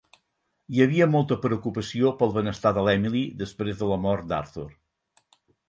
Hi havia molta preocupació pel benestar de l"Emily, després de la mort d"Arthur.